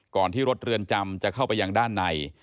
ที่รถเรือนจำจะเข้าไปยังด้านใน